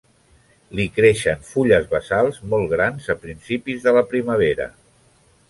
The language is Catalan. Li creixen fulles basals molt grans a principis de la primavera.